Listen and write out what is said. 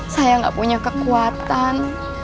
saya gak punya kekuatan